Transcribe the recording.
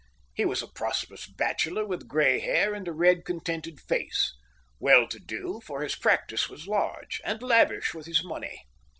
He was a prosperous bachelor with grey hair and a red, contented face, well to do, for his practice was large, and lavish with his money.